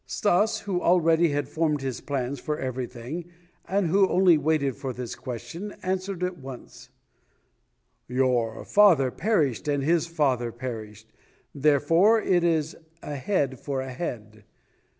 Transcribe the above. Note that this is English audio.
Stas, who already had formed his plans for everything and who only waited for this question, answered at once: "Your father perished and his father perished, therefore it is a head for a head.